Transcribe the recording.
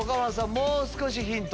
もう少しヒント。